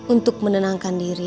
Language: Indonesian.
untuk menenangkan diri